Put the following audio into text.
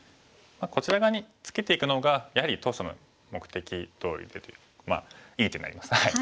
こちら側にツケていくのがやはり当初の目的どおりでというまあいい手になります。